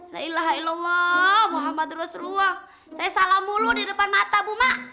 la ilaha illallah muhammad rasulullah saya salah mulu di depan mata bu ma